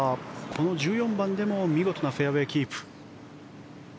この１４番でも見事なフェアウェーキープ。